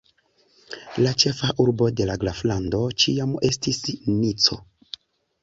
La ĉefa urbo de la graflando ĉiam estis Nico.